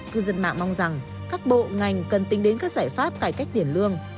cư dân mạng mong rằng các bộ ngành cần tính đến các giải pháp cải cách tiền lương